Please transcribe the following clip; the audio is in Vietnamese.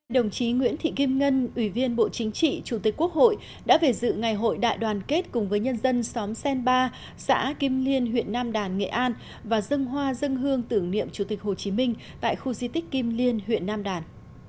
đồng chí nguyễn thị kim ngân ủy viên bộ chính trị chủ tịch quốc hội đã về dự ngày hội đại đoàn kết cùng với nhân dân xóm sen ba xã kim liên huyện nam đàn nghệ an và dân hoa dân hương tưởng niệm chủ tịch hồ chí minh tại khu di tích kim liên huyện nam đàn